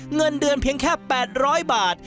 เงินเดือนเพียงแค่๘๐๐บาท